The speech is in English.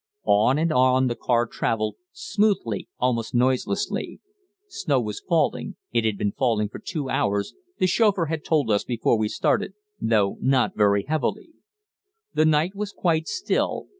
On and on the car travelled, smoothly, almost noiselessly. Snow was falling it had been falling for two hours, the chauffeur had told us before we started though not very heavily. The night was quite still.